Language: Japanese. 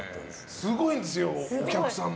すごいんですよ、お客さんも。